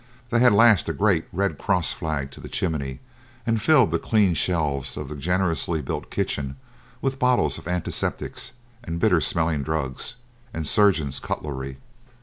They had lashed a great Red Cross flag to the chimney and filled the clean shelves of the generously built kitchen with bottles of antiseptics and bitter smelling drugs and surgeons' cutlery.